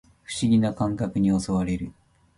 不思議な感覚に襲われる